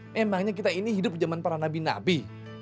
memangnya kita ini hidup di zaman para nabi nabi